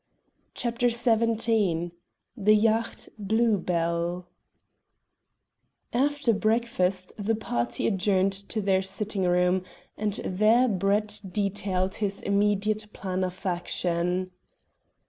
CHAPTER XVII THE YACHT "BLUE BELL" After breakfast the party adjourned to their sitting room, and there Brett detailed his immediate plan of action.